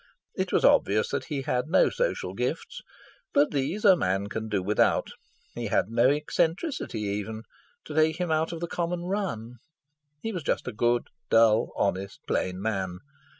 It was obvious that he had no social gifts, but these a man can do without; he had no eccentricity even, to take him out of the common run; he was just a good, dull, honest, plain man.